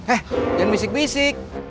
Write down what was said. eh jangan bisik bisik